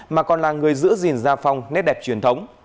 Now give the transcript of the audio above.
mà còn là người giữ gìn gia phong nét đẹp truyền thống